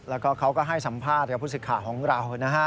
แล้วก็เขาก็ให้สัมภาษณ์กับผู้สิทธิ์ข่าวของเรานะฮะ